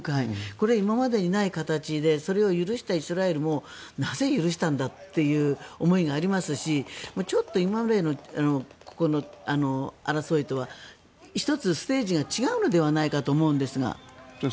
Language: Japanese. これは今までにない形でそれを許したイスラエルもなぜ許したんだという思いがありますしちょっと今までの争いとは１つ、ステージが違うのではないかと思うんですが。